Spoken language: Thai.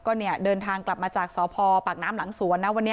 ก็เนี่ยเดินทางกลับมาจากสพปากน้ำหลังสวนนะวันนี้